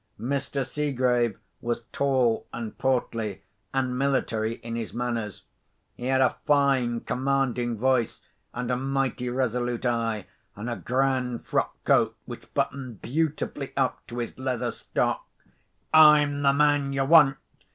Mr. Seegrave was tall and portly, and military in his manners. He had a fine commanding voice, and a mighty resolute eye, and a grand frock coat which buttoned beautifully up to his leather stock. "I'm the man you want!"